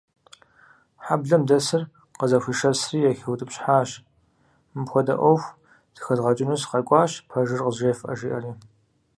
Хьэблэм дэсыр къызэхуишэсри, яхэупщӀыхьащ, мыпхуэдэ Ӏуэху зэхэзгъэкӀыну сыкъэкӀуащи, пэжыр къызжефӀэ, жиӀэри.